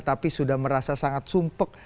tapi sudah merasa sangat sumpek